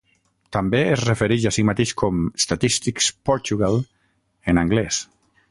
També es refereix a si mateix com Statistics Portugal, en anglès.